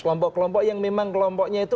kelompok kelompok yang memang kelompoknya itu